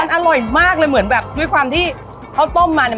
อร่อยมากเลยเหมือนแบบด้วยความที่เขาต้มมาเนี่ย